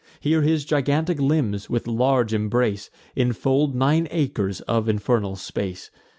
Here his gigantic limbs, with large embrace, Infold nine acres of infernal space.